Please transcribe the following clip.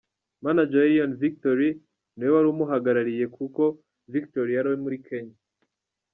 Manager wa Erion Victory niwe wari umuhagarariye kuko Victory yari muri Kenya.